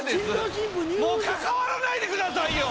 もう関わらないでくださいよ！